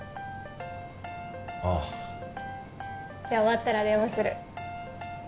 じゃあ終わったら電話する。